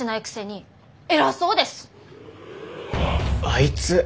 あいつ。